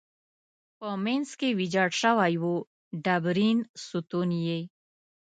په منځ کې ویجاړ شوی و، ډبرین ستون یې.